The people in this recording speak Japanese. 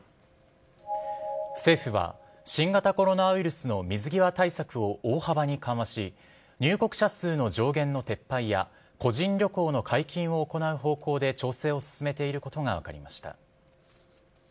政府は、新型コロナウイルスの水際対策を大幅に緩和し、入国者数の上限の撤廃や、個人旅行の解禁を行う方向で調整を進めていることが分かりました。